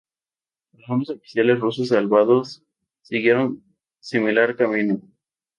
Algunos oficiales rusos salvados siguieron similar camino.